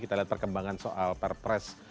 kita lihat perkembangan soal perpres